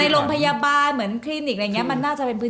ไม่มีทางไม่ปิดหรอกแต่พอปิดเสร็จก็เอาเช็นน้ำตากูหน่อยละกัน